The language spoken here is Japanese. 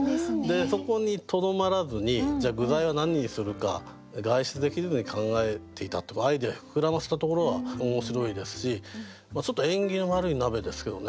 そこにとどまらずにじゃあ具材は何にするか外出できずに考えていたとアイデア膨らませたところが面白いですしちょっと縁起の悪い鍋ですけどね